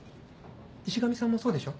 石上さんもそうでしょ？